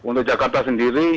untuk jakarta sendiri